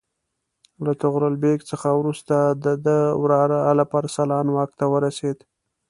له طغرل بیګ څخه وروسته د ده وراره الپ ارسلان واک ته ورسېد.